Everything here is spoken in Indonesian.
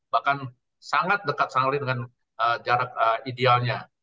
bahkan sangat dekat sekali dengan jarak idealnya